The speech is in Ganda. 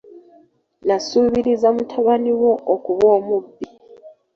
Nasuubiriza mutabani wo okuba omubbi.